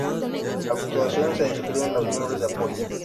A continuación se describen los miembros de apoyo.